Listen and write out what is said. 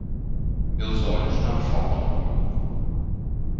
Meu olhos não focam no monitor.